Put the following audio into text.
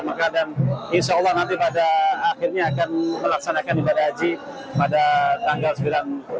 mekah dan insyaallah nanti pada akhirnya akan melaksanakan ibadah haji pada tanggal sembilan